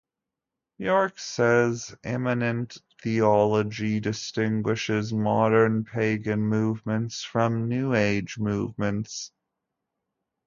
York says immanent theology distinguishes modern Pagan movements from New Age movements.